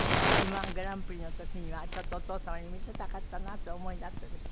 Ｍ−１グランプリの時にはちょっとお父様に見せたかったなってお思いだったでしょ？